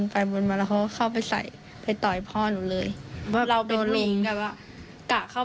ไปตัดหน้ารถเพื่อนเขา